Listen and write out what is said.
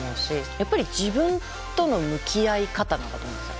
やっぱり自分との向き合い方なんだと思うんですよ。